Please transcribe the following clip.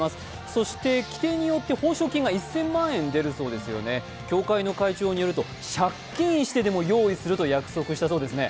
そして規定によって褒賞金が１０００万円出るそうですよね、協会の会長にいよると借金してでも用意すると約束したそうですね。